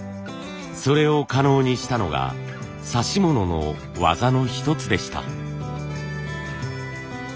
それを可能にしたのが指し物の技の一つでした。